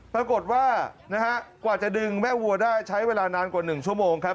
ปรากฏว่านะฮะกว่าจะดึงแม่วัวได้ใช้เวลานานกว่า๑ชั่วโมงครับ